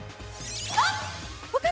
あっ！